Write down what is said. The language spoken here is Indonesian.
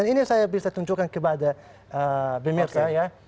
dan ini saya bisa tunjukkan kepada pemirsa ya